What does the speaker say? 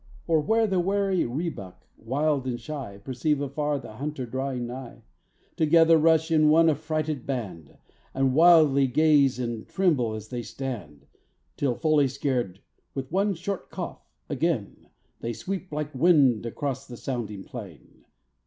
Or, where the wary Rhee buck, wild and shy, Perceive afar the hunter drawing nigh, Together rush in one affrighted band, And wildly gaze and tremble as they stand; Till fully scared, with one short cough, again They sweep like wind across the sounding plain.